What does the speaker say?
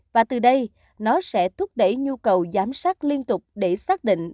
và từ đây nó sẽ thúc đẩy nhu cầu giám sát liên tục để xác định